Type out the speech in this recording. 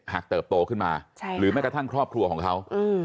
เติบโตขึ้นมาหรือแม้กระทั่งครอบครัวของเขา